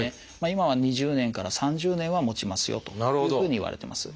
今は２０年から３０年はもちますよというふうにいわれてます。